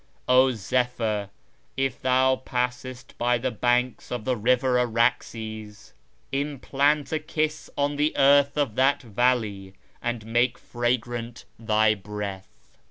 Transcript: ' 0 zepliyr, if tliou passest by the banks of tlie river Araxes, Implant a kiss on tbe earth of that valley, and make fragrant thy breath.'